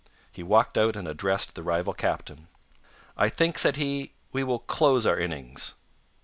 He walked out and addressed the rival captain. "I think," said he, "we will close our innings."